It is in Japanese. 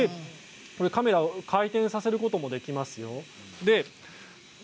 カメラを回転させることもできますよ。